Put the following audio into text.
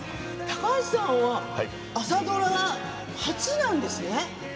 高橋さんは朝ドラは初なんですね。